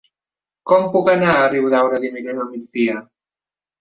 Com puc anar a Riudaura dimecres al migdia?